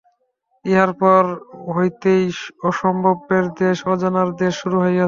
ইহার পর হইতেই অসম্ভবের দেশ, অজানার দেশ শুরু হইয়াছে।